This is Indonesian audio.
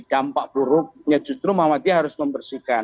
dampak buruk ya justru muhammadiyah harus membersihkan